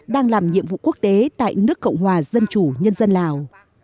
đang làm nhiệm vụ quốc tế tại nước cộng hòa dân chủ nhân dân lào